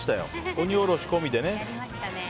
鬼おろし込みでね。